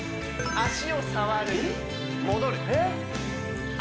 足を触って戻る